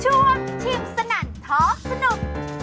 ช่วงชิมสนั่นท้องสนุก